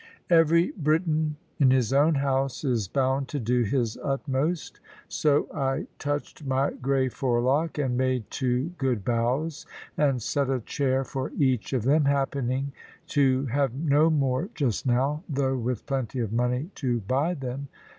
Every Briton, in his own house, is bound to do his utmost; so I touched my grey forelock, and made two good bows, and set a chair for each of them, happening to have no more just now, though with plenty of money to buy them.